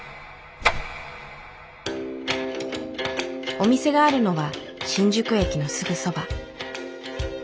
お店があるのは新宿駅のすぐそば。